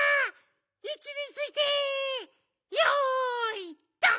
いちについてよいドン！